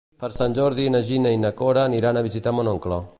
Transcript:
Per Sant Jordi na Gina i na Cora aniran a visitar mon oncle.